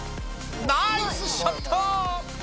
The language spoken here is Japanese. ナイスショット。